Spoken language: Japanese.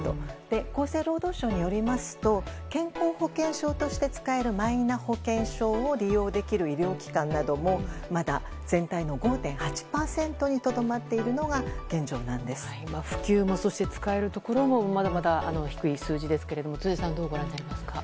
厚生労働省によりますと健康保険証として使えるマイナ保険証を利用できる医療機関などもまだ全体の５．８％にとどまっているのが普及も使えるところもまだまだ低い数字ですが辻さん、どうご覧になりますか。